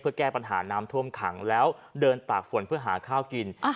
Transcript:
เพื่อแก้ปัญหาน้ำท่วมขังแล้วเดินตากฝนเพื่อหาข้าวกิน